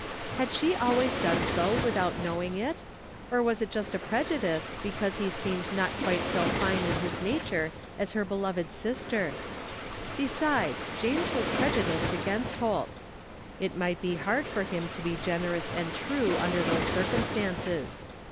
Had she always done so without knowing it? Or was it just a prejudice because he 8 113 \ THE FINDING OF JASPER HOLT seemed not quite so fine in his nature as her beloved sister? Besides, James was prejudiced against Holt It might be hard for him to be generous and true under those circiunstances.